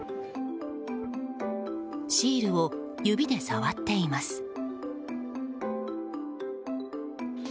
シールを指で触っています。